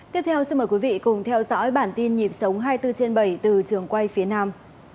tiếp theo xin mời quý vị cùng theo dõi bản tin nhịp sống hai mươi bốn trên bảy từ trường quay phía nam